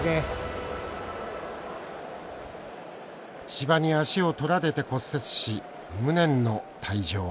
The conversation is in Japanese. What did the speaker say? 芝に足を取られて骨折し無念の退場。